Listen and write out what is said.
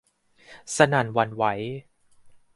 สนั่นหวั่นไหว